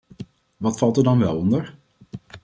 Wat valt er dan wel onder?